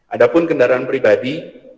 ada pun kendaraan pribadi